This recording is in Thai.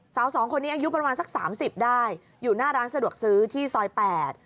สาวสองคนนี้อายุประมาณสักสามสิบได้อยู่หน้าร้านสะดวกซื้อที่ซอยแปด